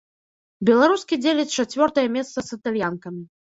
Беларускі дзеляць чацвёртае месца з італьянкамі.